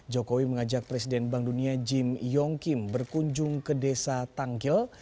jokowi mengajak presiden bank dunia jim yong kim berkunjung ke desa tanggil